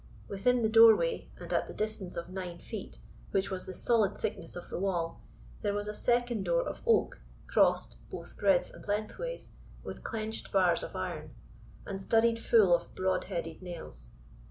Within the doorway, and at the distance of nine feet, which was the solid thickness of the wall, there was a second door of oak, crossed, both breadth and lengthways, with clenched bars of iron, and studded full of broad headed nails.